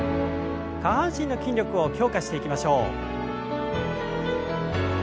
下半身の筋力を強化していきましょう。